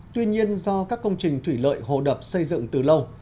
tuy nhiên do các công trình thủy lợi hồ đập xây dựng từ lâu